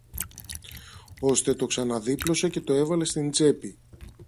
ώστε το ξαναδίπλωσε και το έβαλε στην τσέπη.